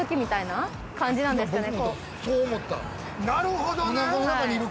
なるほどね！